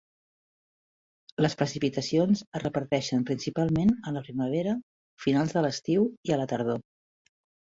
Les precipitacions es reparteixen principalment a la primavera, finals de l'estiu i a la tardor.